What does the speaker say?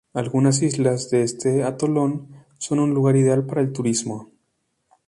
Algunas islas de este atolón son un lugar ideal para el turismo.